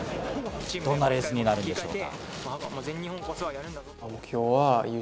どんなレースになるんでしょうか。